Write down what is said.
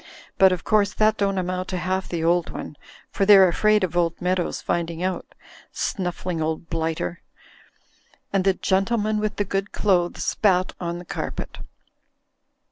But of course that don't amount to half the old one, for they're afraid of old Meadows finding out. Snuffling old blighter!" And the gentleman with the good clothes spat on the carpet.